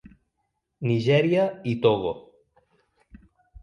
Nigèria i Togo.